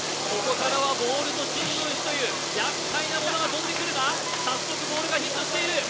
ここからはボールと新聞紙という、やっかいなものが飛んでくるが、早速ボールがヒットしている。